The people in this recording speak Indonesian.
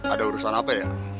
ada urusan apa ya